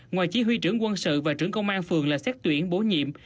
ngoài chỉ huy trưởng quân sự và trưởng công an phường là xét tuyển bổ nhiệm